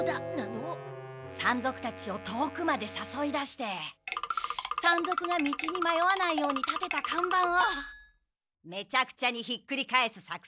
山賊たちを遠くまでさそい出して山賊が道にまよわないように立てた看板をめちゃくちゃにひっくり返す作戦！